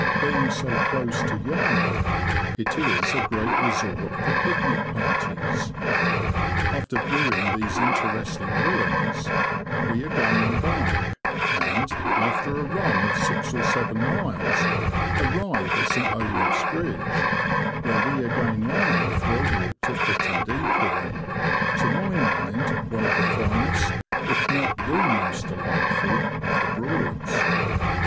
Being so close to Yarmouth, it is a great resort for picnic parties. After viewing these interesting ruins, we again embark, and, after a run of six or seven miles, arrive at St. Olave's Bridge, where we again land for a 28 THE LAND OF THE BROADS. walk to Fritton Decoy, to my mind one of the finest, if not the most delightful, of the Broads.